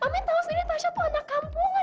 mami tau sendiri tasya tuh anak kampungan